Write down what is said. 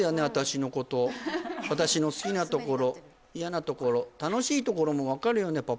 私のこと私の好きなところ嫌なところ楽しいところもわかるよね？